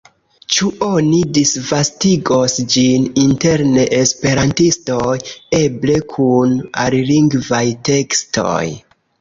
Ĉu oni disvastigos ĝin inter neesperantistoj, eble kun alilingvaj tekstoj?